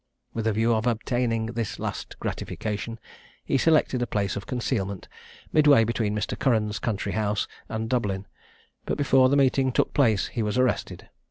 With a view of obtaining this last gratification, he selected a place of concealment midway between Mr. Curran's country house and Dublin; but before the meeting took place he was arrested.